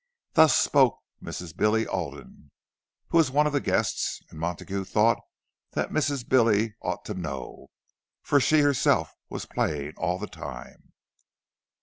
—Thus spoke Mrs. Billy Alden, who was one of the guests; and Montague thought that Mrs. Billy ought to know, for she herself was playing all the time.